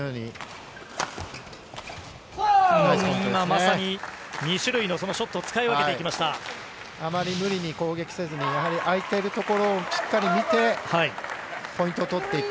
まさに２種類のショットを使い分あまり無理に攻撃せずに相手をしっかり見て、ポイントを取っていく。